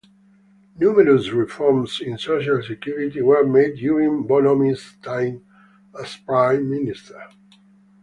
Numerous reforms in social security were made during Bonomi's time as prime minister.